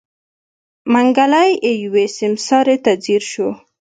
منګلی يوې سيمسارې ته ځير و.